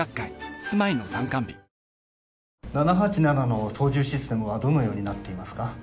７８７の操縦システムはどのようになっていますか？